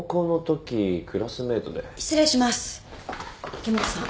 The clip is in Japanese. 池本さん